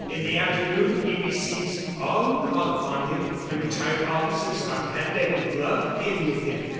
In the afternoon he receives all who call upon him. The retired officers are hand and glove in with him.